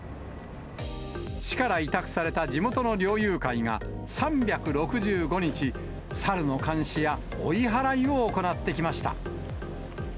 市から委託された地元の猟友会が３６５日、サルの監視や追い払いを行ってきました。